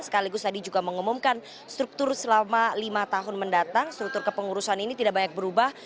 sekaligus tadi juga mengumumkan struktur selama lima tahun mendatang struktur kepengurusan ini tidak banyak berubah